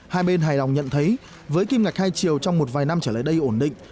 hai bên hài lòng nhận thấy với kim ngạch hai triệu trong một vài năm trở lại đây ổn định